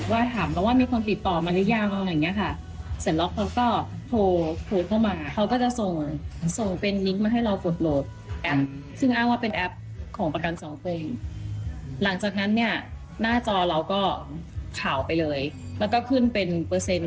แล้วก็ขึ้นเป็นเปอร์เซ็นต์การดาวน์โหลด